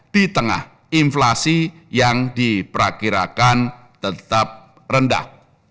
di tengah inflasi yang diperkirakan tetap rendah